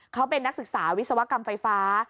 เขาเป็นนักศึกษาวิศวกรรมไฟฟ้า